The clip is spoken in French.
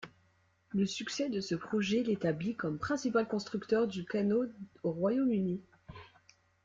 Le succès de ce projet l'établit comme principal constructeur de canaux au Royaume-Uni.